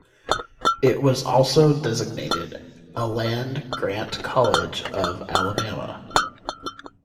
It was also designated a land grant college of Alabama.